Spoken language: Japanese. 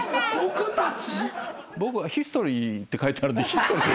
僕は「ｈｉｓｔｏｒｙ」って書いてあるんでヒストリー。